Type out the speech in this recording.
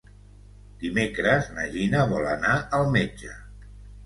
Dimecres na Gina vol anar al metge.